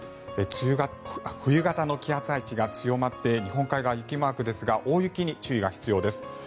冬型の気圧配置が強まって日本海側、雪マークですが大雪に注意が必要です。